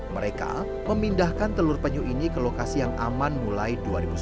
mereka memindahkan telur penyu ini ke lokasi yang aman mulai dua ribu sembilan belas